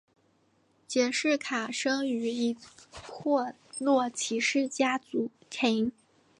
杰式卡生于一破落骑士家庭。